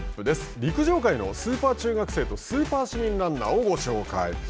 陸上界のスーパー中学生とスーパー市民ランナーをご紹介。